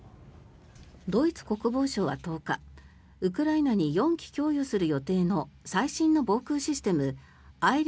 ドイツ国防省は１０日ウクライナに４基供与する予定の最新の防空システム